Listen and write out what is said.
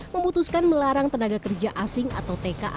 memutuskan melarang tenaga kerja asing atau tka